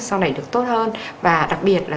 sau này được tốt hơn và đặc biệt là